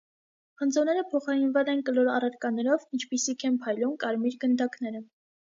Խնձորները փոխարինվել են կլոր առարկաներով, ինչպիսիք են փայլուն կարմիր գնդակները։